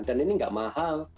dan ini enggak mahal